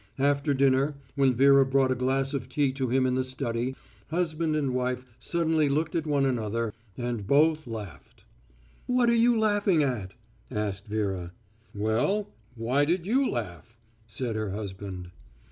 After dinner, when Vera brought a glass of tea to him in the study, husband and wife suddenly looked at one another, and both laughed. "What are you laughing at?" asked Vera. "Well, why did you laugh?" said her husband.